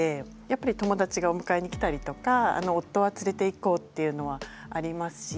やっぱり友だちがお迎えに来たりとか夫は連れていこうっていうのはありますし。